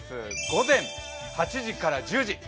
午前８時から１０時。